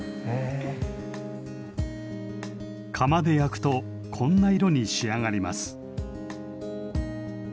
窯で焼くとこんな色に仕上がります。